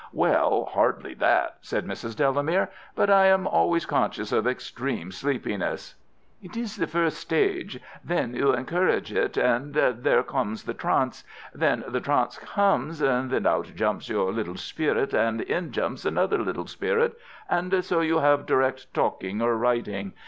"Well, hardly that," said Mrs. Delamere. "But I am always conscious of extreme sleepiness." "It is the first stage. Then you encourage it, and there comes the trance. When the trance comes, then out jumps your little spirit and in jumps another little spirit, and so you have direct talking or writing.